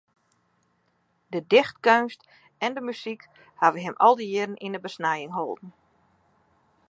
De dichtkeunst en de muzyk hawwe him al dy jierren yn de besnijing holden.